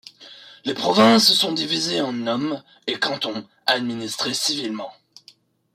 Les provinces sont divisées en nomes et cantons administrés civilement.